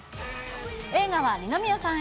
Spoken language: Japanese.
映画は二宮さん